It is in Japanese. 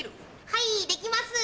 はいできます。